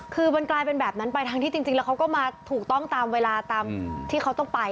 คือมันกลายเป็นแบบนั้นไปทั้งที่จริงแล้วเขาก็มาถูกต้องตามเวลาตามที่เขาต้องไป